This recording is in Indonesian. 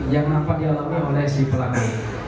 yang nampak dialami oleh si pelaku